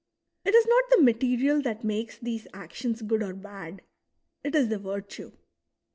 It is not the material that makes these actions good or bad ; it is the virtue.